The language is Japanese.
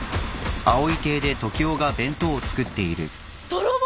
泥棒！？